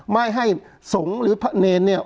ไม่ให้สงฆ์หรือพระเนรเนี่ย